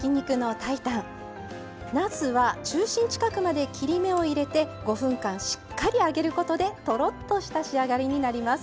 なすは中心近くまで切り目を入れて５分間しっかり揚げることでとろっとした仕上がりになります。